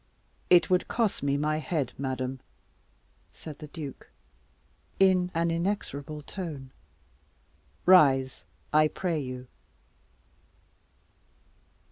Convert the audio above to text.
"It would cost me my head, madam," said the duke in an inexorable tone. "Rise, I pray you."